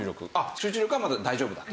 集中力はまだ大丈夫だと？